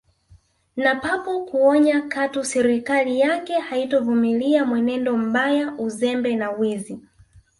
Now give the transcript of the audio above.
Na papo kuonya katu serikali yake haitovumilia mwenendo mbaya uzembe na wizi